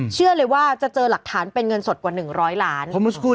เชื่อเลยว่าจะเจอหลักฐานเป็นเงินสดกว่า๑๐๐ล้าน